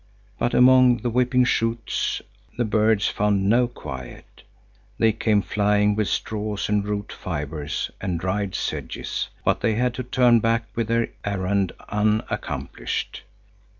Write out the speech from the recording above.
But among the whipping shoots the birds found no quiet. They came flying with straws and root fibres and dried sedges, but they had to turn back with their errand unaccomplished.